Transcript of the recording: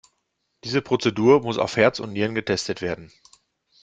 Diese Prozedur muss auf Herz und Nieren getestet werden.